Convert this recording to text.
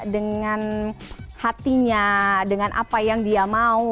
dengan hatinya dengan apa yang dia mau